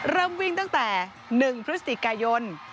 เริ่มวิ่งตั้งแต่๑พฤศจิกายน